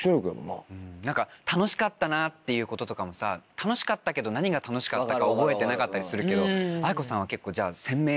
うん何か楽しかったなっていうこととかもさ楽しかったけど何が楽しかったか覚えてなかったりするけどａｉｋｏさんは結構鮮明に？